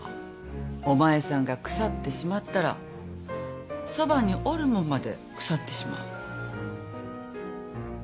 お前さんが腐ってしまったらそばにおる者まで腐ってしまう。